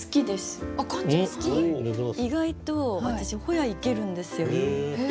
意外と私海鞘いけるんですよ。